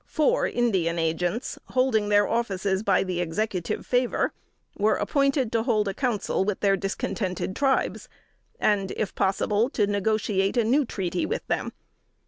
Four Indian Agents, holding their offices by the Executive favor, were appointed to hold a Council with their discontented tribes, and if possible to negotiate a new treaty with them.